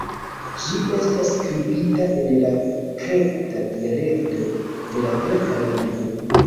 Ĝi estas skribita en la Kreta dialekto de la Greka lingvo.